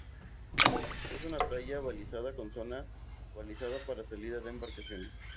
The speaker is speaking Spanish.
Es una playa balizada con zona balizada para salida de embarcaciones.